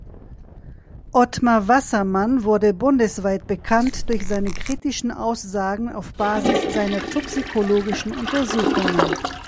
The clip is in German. Otmar Wassermann wurde bundesweit bekannt durch seine kritischen Aussagen auf Basis seiner toxikologischen Untersuchungen.